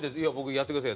やってください